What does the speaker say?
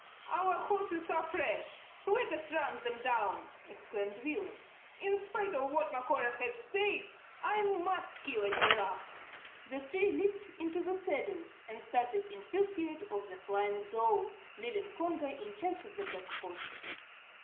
"Our horses are fresh. Let us run them down," exclaimed Willem. "In spite of what Macora has said, I must kill a giraffe!" The three leaped into the saddles, and started in pursuit of the flying drove, leaving Congo in charge of the pack horse.